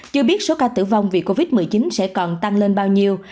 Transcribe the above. chưa biết số ca tử vong vì covid một mươi chín sẽ còn tăng lên bao nhiêu